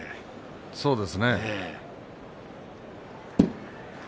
そうですね。